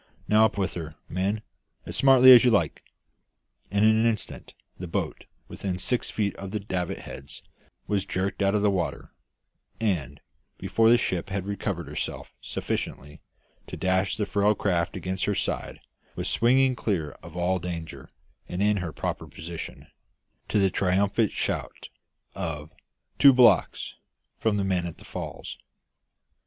"Now, up with her, men, as smartly as you like!" And in an instant the boat, within six feet of the davit heads, was jerked out of the water, and, before the ship had recovered herself sufficiently to dash the frail craft against her side, was swinging clear of all danger, and in her proper position, to the triumphant shout of "Two blocks" from the men at the falls.